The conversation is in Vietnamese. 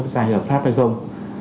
có sai hợp pháp hay không